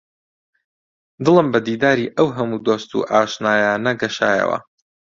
دڵم بە دیداری ئەو هەموو دۆست و ئاشنایانە گەشایەوە